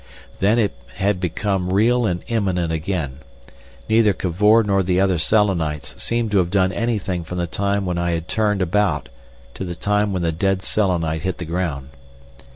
Then it had become real and imminent again. Neither Cavor nor the other Selenites seemed to have done anything from the time when I had turned about to the time when the dead Selenite hit the ground.